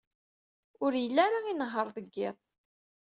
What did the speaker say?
Ur yelli ara inehheṛ deg yiḍ.